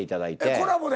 コラボで？